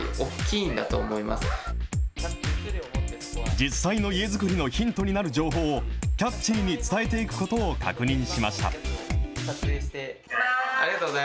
実際の家づくりのヒントになる情報を、キャッチーに伝えていくことを確認しました。